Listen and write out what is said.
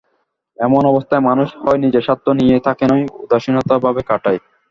এমন অবস্থায় মানুষ, হয় নিজের স্বার্থ নিয়েই থাকে নয় উদাসীনভাবে কাটায়।